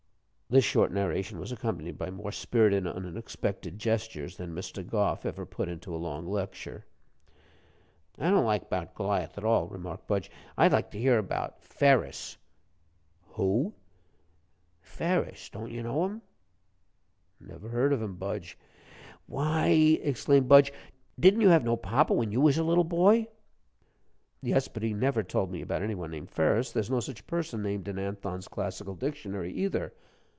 This short narration was accompanied by more spirited and unexpected gestures than Mr. Gough ever puts into a long lecture. "I don't like 'bout Goliath at all," remarked Budge. "I'd like to hear 'bout Ferus." "Who?" "Ferus; don't you know?" "Never heard of him, Budge." "Why y y !" exclaimed Budge; "didn't you have no papa when you was a little boy?" "Yes, but he never told me about any one named Ferus; there's no such person named in Anthon's Classical Dictionary, either.